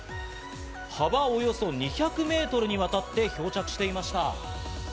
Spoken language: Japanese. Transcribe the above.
幅およそ２００メートルにわたって漂着していました。